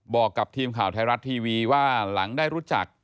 บอกกับทีมข่าวไทยรัฐทีวีว่าหลังได้รู้จัก